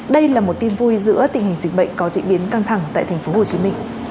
đây là một tin vui giữa tình hình dịch bệnh có diễn biến căng thẳng tại tp hcm